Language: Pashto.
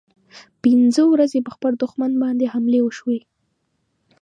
پنځه ورځې پر دښمن باندې حملې وشوې.